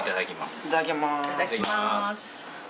いただきます。